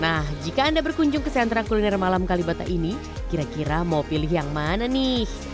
nah jika anda berkunjung ke sentra kuliner malam kalibata ini kira kira mau pilih yang mana nih